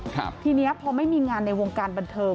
ทีนี้พอไม่มีงานในวงการบันเทิง